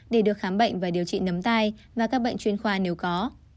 để được khám bệnh và điều trị nấm tai và các bệnh chuyên khoa nếu có